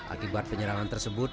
akibat penyerangan tersebut